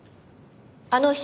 あの日。